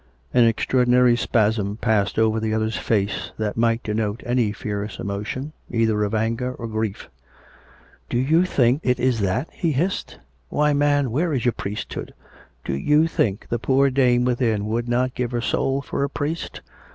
An extraordinary spasm passed over the other's face, that might denote any fierce emotion, either of anger or grief. "Do you think it is that?" he hissed. "Why, man. COME RACK! COME ROPE! 299 where is your priesthood? Do you think the poor dame within would not give her soul for a priest?